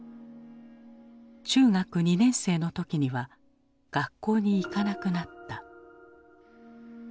中学２年生の時には学校に行かなくなった。